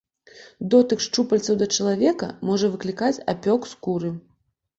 Дотык шчупальцаў да чалавека можа выклікаць апёк скуры.